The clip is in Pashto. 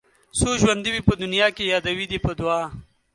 څو ژوندي وي په دنيا کې يادوي دې په دعا